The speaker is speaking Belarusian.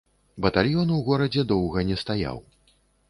Батальён у горадзе доўга не стаяў.